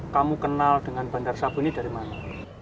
kamu kenal dengan bandar sabu ini dari mana